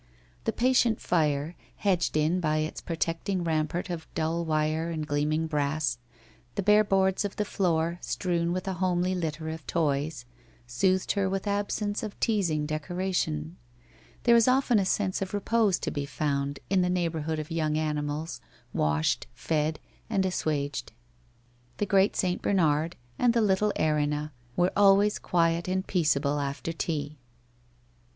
The patient fire, hedged in by its pro tecting rampart of dull wire and gleaming brass, the bare boards of the floor, strewn with a homely litter of toys, soothed her with absence of teasing decoration. There is often a sense of repose to be found in the neighbourhood of young animals, washed, fed, and assuaged. The great St. Bernard and the little Erinna were always quiet and peace able after tea.